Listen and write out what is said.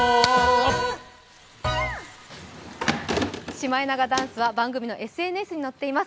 シマエナガダンスは番組のＳＮＳにのっています。